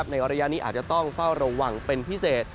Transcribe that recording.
ในระยะนี้อาจจะต้องเฝ้าระวังเป็นพิเศษ